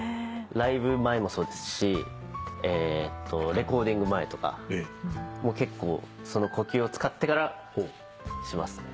ライブ前もそうですしレコーディング前とかも結構その呼吸を使ってからしますね。